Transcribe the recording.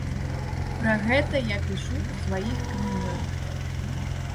Пра гэта я і пішу ў сваіх кнігах.